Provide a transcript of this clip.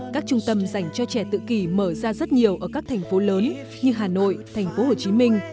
các trung tâm dành cho trẻ tự kỷ mở ra rất nhiều ở các thành phố lớn như hà nội thành phố hồ chí minh